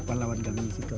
pelawan kami itu